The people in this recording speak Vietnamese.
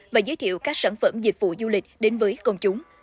và giới thiệu các sản phẩm dịch vụ du lịch đến với công chúng